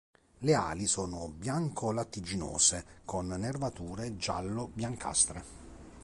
Le ali sono bianco-lattiginose, con nervature giallo-biancastre.